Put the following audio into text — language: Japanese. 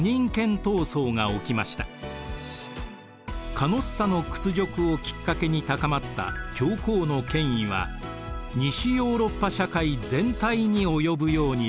カノッサの屈辱をきっかけに高まった教皇の権威は西ヨーロッパ社会全体に及ぶようになります。